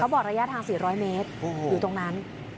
บอกระยะทาง๔๐๐เมตรอยู่ตรงนั้น